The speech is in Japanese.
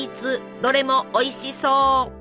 どれもおいしそう！